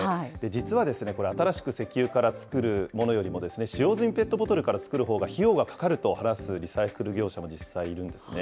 実はこれ、新しく石油から作るものよりも使用済みペットボトルから作るほうが費用がかかると話すリサイクル業者も実際いるんですね。